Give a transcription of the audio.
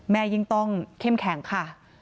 ยิ่งต้องเข้มแข็งค่ะ